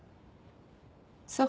そう。